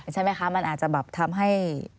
ใช่ไหมคะมันอาจจะแบบทำให้